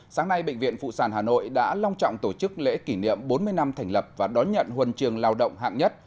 sáng nay bệnh viện phụ sản hà nội đã long trọng tổ chức lễ kỷ niệm bốn mươi năm thành lập và đón nhận huần trường lao động hạng nhất